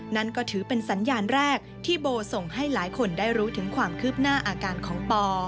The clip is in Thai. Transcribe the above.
นั่นก็ถือเป็นสัญญาณแรกที่โบส่งให้หลายคนได้รู้ถึงความคืบหน้าอาการของปอ